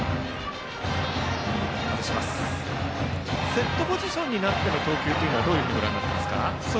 セットポジションになってからの投球はどういうふうにご覧になっていますか？